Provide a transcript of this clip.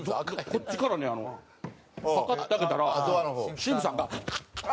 こっちからねパカッて開けたら神父さんが。